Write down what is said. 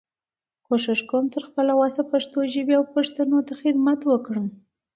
کوشش کوم چې تر خپل وسه پښتو ژبې او پښتنو ته خدمت وکړم.